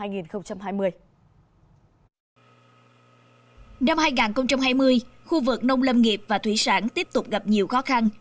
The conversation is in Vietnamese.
năm hai nghìn hai mươi khu vực nông lâm nghiệp và thủy sản tiếp tục gặp nhiều khó khăn